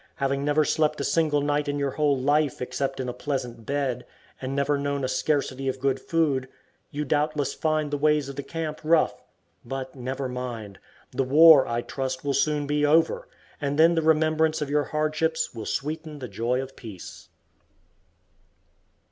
Having never slept a single night in your whole life except in a pleasant bed, and never known a scarcity of good food, you doubtless find the ways of the camp rough; but never mind. The war, I trust, will soon be over, and then the remembrance of your hardships will sweeten the joy of peace.